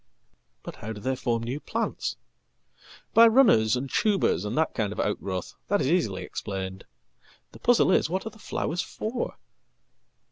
""But how do they form new plants?""By runners and tubers, and that kind of outgrowth. That is easilyexplained. The puzzle is, what are the flowers for?"